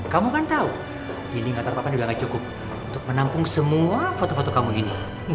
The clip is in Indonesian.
kamu kan tahu dinding antar papan juga gak cukup untuk menampung semua foto foto kamu ini